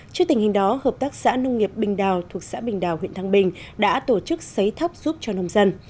trước tình hình đó hợp tác xã nông nghiệp bình đào thuộc xã bình đào huyện thăng bình đã tổ chức xấy thóc giúp cho nông dân